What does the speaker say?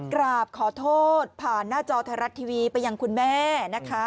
กราบขอโทษผ่านหน้าจอไทยรัฐทีวีไปยังคุณแม่นะคะ